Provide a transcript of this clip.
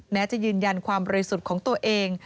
แม้จะยืนยันความบริสุทธิ์ของตัวเอง